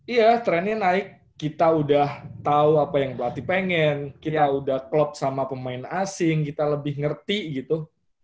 iya trennya naik kita udah tahu apa yang pelatih pengen kita udah klop sama pemain asing kita lebih ngerti gitu